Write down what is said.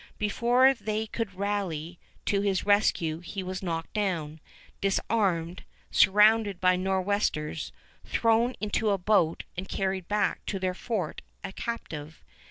Before they could rally to his rescue he was knocked down, disarmed, surrounded by the Nor'westers, thrown into a boat, and carried back to their fort a captive.